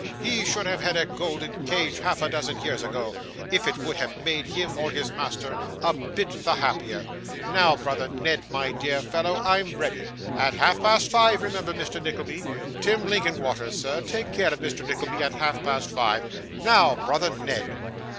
He should have had a golden cage half a dozen years ago, if it would have made him or his master a bit the happier. Now, brother Ned, my dear fellow, I'm ready. At half past five, remember, Mr. Nickleby! Tim Linkinwater, sir, take care of Mr. Nickleby at half past five. Now, brother Ned.